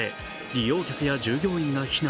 利用客や従業員が避難。